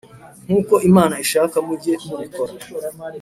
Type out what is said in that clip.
nk uko Imana ishaka mujye mubikora